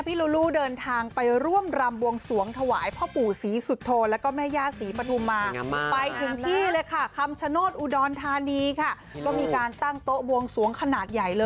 พี่ลูลูเดินทางไปร่วมรำบวงสวงถวายพ่อปู่สีสุโตนะ